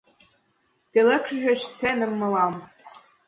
Пӧлеклышыч сценым мылам.